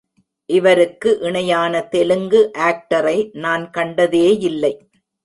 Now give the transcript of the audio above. இவருக்கு இணையான தெலுங்கு ஆக்டரை நான் கண்டதேயில்லை.